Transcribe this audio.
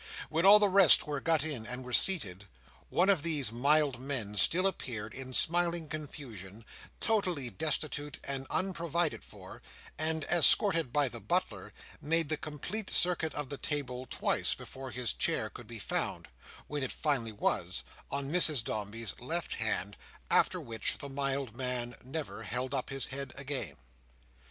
When all the rest were got in and were seated, one of these mild men still appeared, in smiling confusion, totally destitute and unprovided for, and, escorted by the butler, made the complete circuit of the table twice before his chair could be found, which it finally was, on Mrs Dombey's left hand; after which the mild man never held up his head again.